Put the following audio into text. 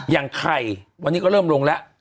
อย่างไข่วันนี้ก็เริ่มลงแล้ว